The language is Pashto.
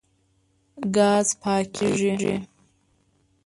ګاز پاکېږي.